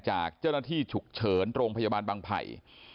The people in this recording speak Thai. จากเจ้าหน้าที่ฉุกเฉินโรงพยาบาลบางไผ่